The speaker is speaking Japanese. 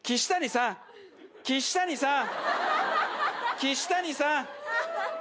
岸谷さん！